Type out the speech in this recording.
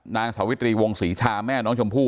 นางสาวิตรีวงศรีชาแม่น้องชมพู่